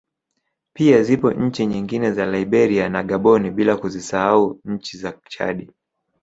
Pia zipo nchi nyingine za Liberia na Gaboni bila kuzisahau ncni za Chadi